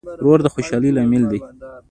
ورور د خوشحالۍ لامل دی.